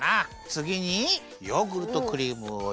つぎにヨーグルトクリームをいれます。